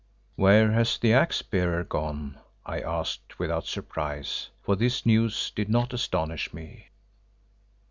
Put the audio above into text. "Where has the Axe bearer gone?" I asked without surprise, for this news did not astonish me.